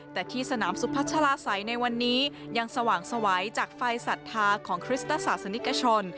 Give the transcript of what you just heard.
แต่ที่สนามสุพัชลาศัยในวันนี้ยังสว่างสวัยจากไฟศรัทธาของคริสตศาสนิกชน